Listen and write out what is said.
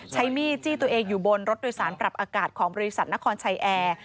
ใช้มีดจี้ตัวเองอยู่บนรถโดยสารปรับอากาศของบริษัทนครชัยแอร์